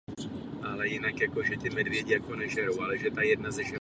Zapojil se do zakládání brněnského Divadla Radost a Sdružení moravských spisovatelů.